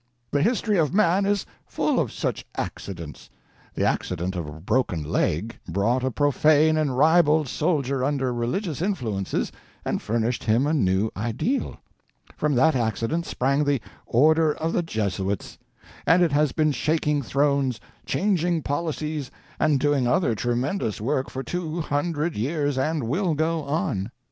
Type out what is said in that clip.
The history of man is full of such accidents. The accident of a broken leg brought a profane and ribald soldier under religious influences and furnished him a new ideal. From that accident sprang the Order of the Jesuits, and it has been shaking thrones, changing policies, and doing other tremendous work for two hundred years—and will go on.